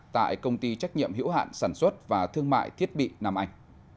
tại công ty trách nhiệm hiểu hạn sản xuất và thương mại thiết bị nam anh